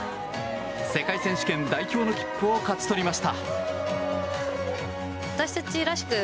世界選手権代表の切符を勝ち取りました。